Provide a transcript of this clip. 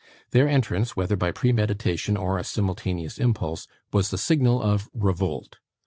Their entrance, whether by premeditation or a simultaneous impulse, was the signal of revolt.